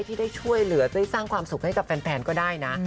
ที่ได้ช่วยเหลือได้สร้างความสุขให้กับแฟนก็ได้นะ